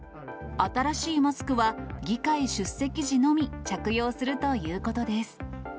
新しいマスクは、議会出席時のみ着用するということです。